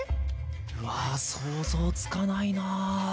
うわ想像つかないな。